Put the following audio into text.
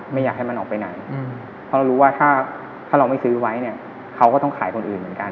ไม่อยากให้มันออกไปไหนเพราะเรารู้ว่าถ้าเราไม่ซื้อไว้เนี่ยเขาก็ต้องขายคนอื่นเหมือนกัน